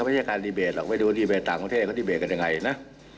ไม่ได้ดีเบตต่างประเทศก็ดีเบตกันอย่างไรนะ